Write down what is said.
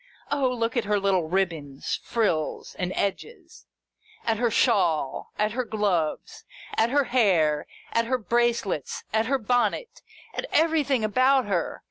O look at her little ribbons, frills, and edges, at her shawl, at her gloves, at her hair, at her brace lets, at her bonnet, at everything about her